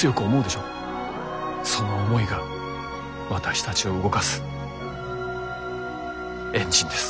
その思いが私たちを動かすエンジンです。